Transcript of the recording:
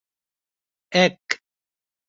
এক